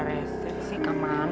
ada resep sih kemana suster